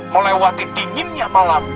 melewati dinginnya malam